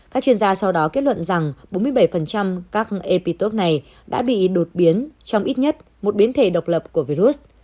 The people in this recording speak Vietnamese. các chuyên gia sau đó kết luận rằng bốn mươi bảy các apitop này đã bị đột biến trong ít nhất một biến thể độc lập của virus